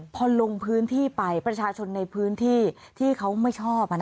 พอลงพื้นที่ไปประชาชนในพื้นที่ที่เขาไม่ชอบ